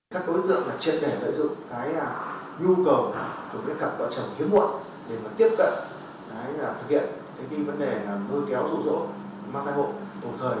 các đối tượng trên đề